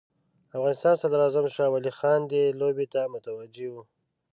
افغانستان صدراعظم شاه ولي خان دې لوبې ته متوجه وو.